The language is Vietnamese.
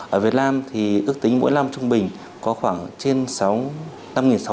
ở việt nam thì ước tính mỗi năm trung bình có khoảng trên sáu mươi